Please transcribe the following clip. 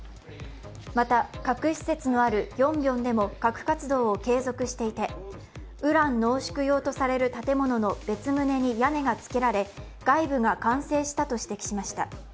また核施設のあるヨンビョンでも核活動を継続していて、ウラン濃縮用とされる建物の別棟に屋根がつけられ外部が完成したと指摘しました。